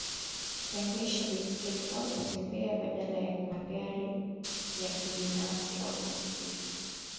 kuendesha baiskeli au kutembea badala ya magari ya kibinafsi au pikipiki